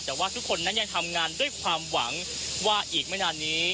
แต่ว่าทุกคนนั้นยังทำงานด้วยความหวังว่าอีกไม่นานนี้